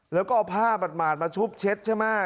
แล้วก็เอาผ้าหมาดมาชุบเช็ดใช่ไหม